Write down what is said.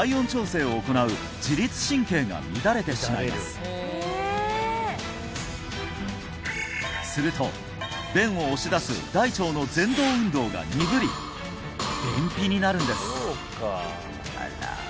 その１すると便を押し出す大腸の蠕動運動が鈍り便秘になるんです